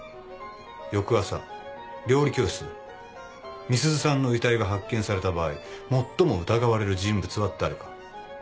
翌朝料理教室で美鈴さんの遺体が発見された場合もっとも疑われる人物は誰か。